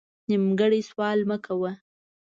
نیمګړی سوال مه کوه